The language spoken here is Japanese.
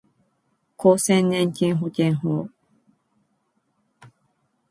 厚生年金保険法